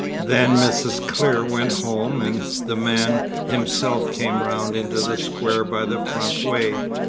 Then Mrs. Clear went home, and the man himself came round into the Square by the front way.